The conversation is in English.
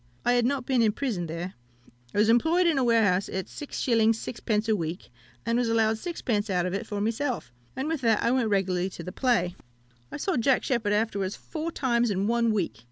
I had not been in prison there. I was employed in a warehouse at 6s. 6d. a week, and was allowed 6d. out of it for myself, and with that I went regularly to the play. I saw Jack Sheppard afterwards four times in one week.